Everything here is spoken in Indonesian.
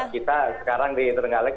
kita sekarang di tengah leg